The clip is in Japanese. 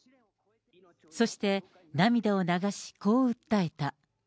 そして涙を流し、こう訴えた。